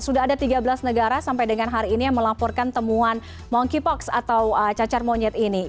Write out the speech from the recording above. sudah ada tiga belas negara sampai dengan hari ini yang melaporkan temuan monkeypox atau cacar monyet ini